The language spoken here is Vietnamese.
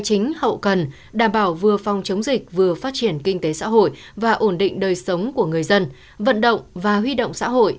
chính hậu cần đảm bảo vừa phòng chống dịch vừa phát triển kinh tế xã hội và ổn định đời sống của người dân vận động và huy động xã hội